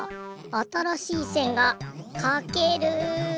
あたらしいせんがかける。